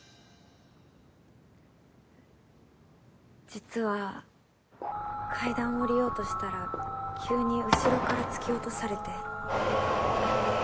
実は階段降りようとしたら急に後ろから突き落とされて。